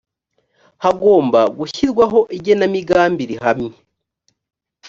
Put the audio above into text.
hagomba gushyirwaho igenamigambi rihamye